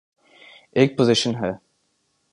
ایک پوزیشن ہے۔